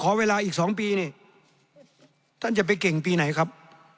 เวลาอีก๒ปีนี่ท่านจะไปเก่งปีไหนครับ